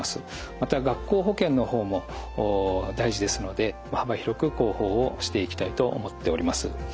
また学校保健の方も大事ですので幅広く広報をしていきたいと思っております。